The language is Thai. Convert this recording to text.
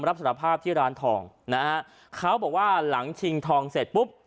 รับสารภาพที่ร้านทองนะฮะเขาบอกว่าหลังชิงทองเสร็จปุ๊บ